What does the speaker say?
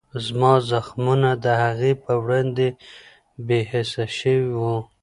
زما زخمونه د هغې په وړاندې بېحسه شوي وو.